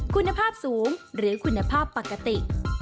คุณภาพสูงหรือคุณภาพปกติ